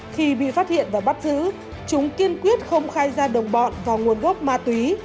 khi bị phát hiện và bắt giữ chúng kiên quyết không khai ra đồng bọn vào nguồn gốc ma túy